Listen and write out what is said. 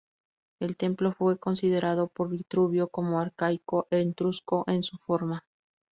El templo fue considerado por Vitruvio como arcaico y "etrusco" en su forma.